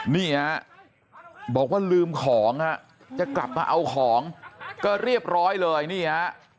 นี่ฮะบอกว่าลืมของฮะจะกลับมาเอาของก็เรียบร้อยเลยนี่ฮะ